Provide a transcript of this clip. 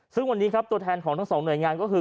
ซึ่งวันนี้ครับตัวแทนของทั้งสองหน่วยงานก็คือ